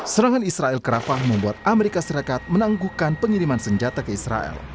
serangan israel ke rafah membuat amerika serikat menangguhkan pengiriman senjata ke israel